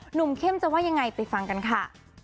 เข้มจะว่ายังไงไปฟังกันค่ะ